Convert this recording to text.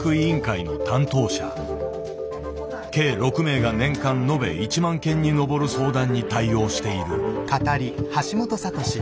計６名が年間のべ１万件に上る相談に対応している。